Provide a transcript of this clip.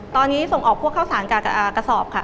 ตอนนี้ส่งออกพวกข้าวสารจากกระสอบค่ะ